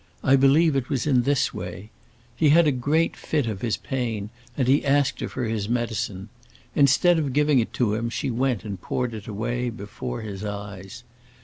I believe it was in this way. He had a fit of his great pain, and he asked her for his medicine. Instead of giving it to him she went and poured it away, before his eyes.